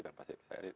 dan pasti saya excited